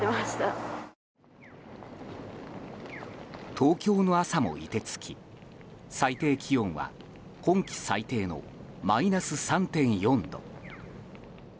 東京の朝も凍てつき最低気温は今季最低のマイナス３．４度。